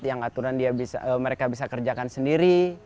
yang aturan mereka bisa kerjakan sendiri